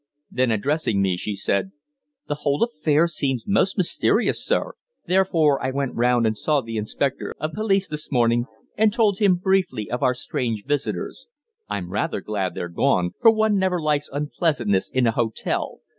Then, addressing me, she said "The whole affair seemed most mysterious, sir, therefore I went round and saw the inspector of police this morning, and told him briefly of our strange visitors. I'm rather glad they're gone, for one never likes unpleasantness in a hotel.